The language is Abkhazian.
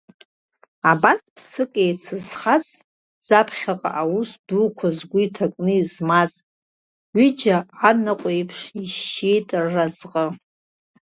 Абас ԥсык еицызхаз заԥхьаҟа аус дуқәа згәы иҭакны измаз, ҩыџьа анаҟә еиԥш ишьшьеит рразҟы.